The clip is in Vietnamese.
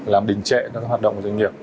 làm đình trệ các hoạt động của doanh nghiệp